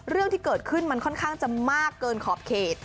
เรื่องที่เกิดขึ้นมันค่อนข้างจะมากเกินขอบเขต